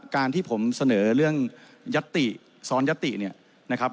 การที่ผมเสนอเรื่องยัตติซ้อนยติเนี่ยนะครับ